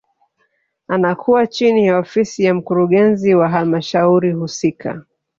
Anakuwa chini ya ofisi ya mkurugenzi wa halmashauri husika